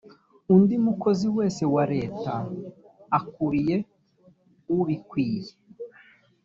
undi mukozi wese wa leta akuriye ubikwiye